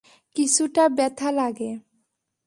কিছুটা ব্যথা লাগে।